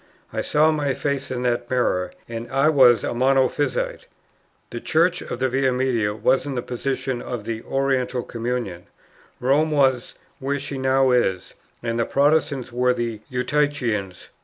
I saw my face in that mirror, and I was a Monophysite. The Church of the Via Media was in the position of the Oriental communion, Rome was, where she now is; and the Protestants were the Eutychians.